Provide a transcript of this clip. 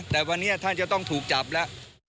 แต่วันนี้ท่านจะต้องถูกจับแล้ว